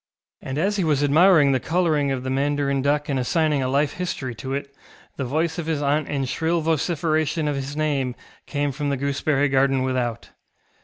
And as he was admiring the colouring of the mandarin duck and assigning a life history to it, the voice of his aunt in shrill vociferation of his name came from the gooseberry garden without.